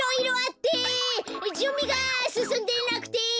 じゅんびがすすんでなくて！